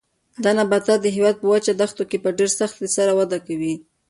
دا نباتات د هېواد په وچو دښتو کې په ډېر سختۍ سره وده کوي.